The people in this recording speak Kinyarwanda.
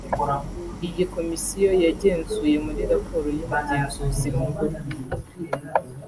Iyi komisiyo yagenzuye muri Raporo y’Umugenzuzi Mukuru